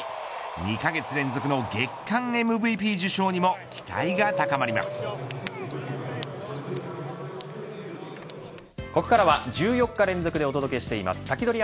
２カ月連続の月間ＭＶＰ受賞にもここからは１４日連続でお届けしていますサキドリ！